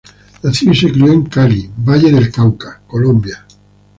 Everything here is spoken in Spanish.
Nació y se crió en Cali, Valle del Cauca, Colombia.